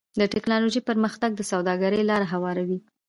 د ټکنالوجۍ پرمختګ د سوداګرۍ لاره هواروي.